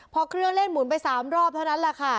พอเครื่องเล่นหมุนไป๓รอบเท่านั้นแหละค่ะ